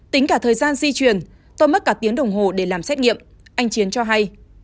tính cả thời gian di chuyển tôi mất cả tiếng đồng hồ để làm xét nghiệm anh chiến cho hay